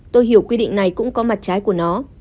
tôi hiểu quy định này cũng có mặt trái của nó